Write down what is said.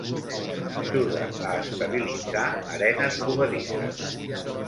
Ajuda a estabilitzar arenes movedisses.